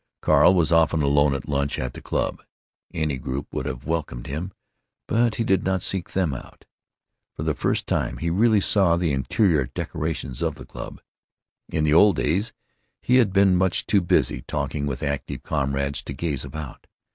Carl was often alone at lunch at the club. Any group would have welcomed him, but he did not seek them out. For the first time he really saw the interior decorations of the club. In the old days he had been much too busy talking with active comrades to gaze about.